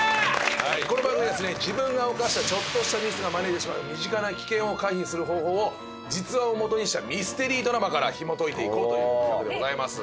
はいこの番組はですね自分が犯したちょっとしたミスが招いてしまう身近な危険を回避する方法を実話を基にしたミステリードラマからひもといていこうという企画でございます